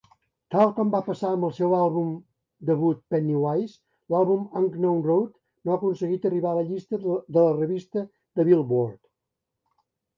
Tal com va passar amb el seu àlbum debut "Pennywise", l'àlbum "Unknown Road" no ha aconseguit arribar a la llista de la revista de Billboard.